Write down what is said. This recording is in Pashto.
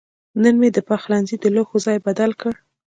نن مې د پخلنځي د لوښو ځای بدل کړ.